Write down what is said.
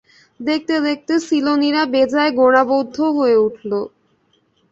দেখতে দেখতে সিলোনিরা বেজায় গোঁড়া বৌদ্ধ হয়ে উঠল।